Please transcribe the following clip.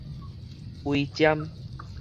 揻針